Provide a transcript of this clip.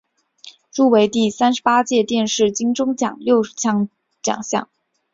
入围第三十八届电视金钟奖六项奖项。